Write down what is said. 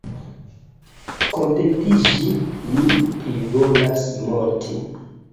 Kontentiĝi! mi plivolas morti.